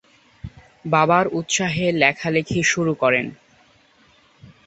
বাবার উৎসাহে লেখালেখি শুরু করেন।